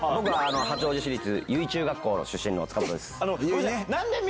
八王子市立由井中学校の出身の塚本です。